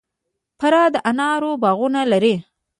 فراه د انارو باغونه لري